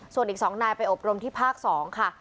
ส่วนอีก๒นายไปอบรมที่ภาค๒ค่ะ